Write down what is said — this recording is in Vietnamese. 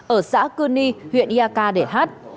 ở xã cư ni huyện ia ca để hát